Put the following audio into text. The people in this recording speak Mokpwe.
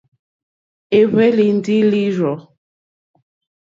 É hwélì ndí lǐrzɔ̀.